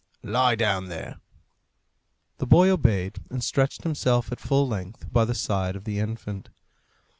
"Lie down there." The boy obeyed, and stretched himself at full length by the side of the infant.